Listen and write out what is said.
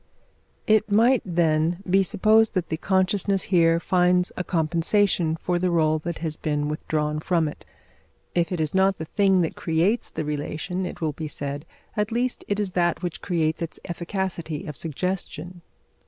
It might, then, he supposed that the consciousness here finds a compensation for the rôle that has been withdrawn from it. If it is not the thing that creates the relation, it will be said, at least it is that which creates its efficacity of suggestion.